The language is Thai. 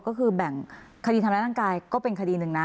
ก็คือแบ่งคดีทำร้ายร่างกายก็เป็นคดีหนึ่งนะ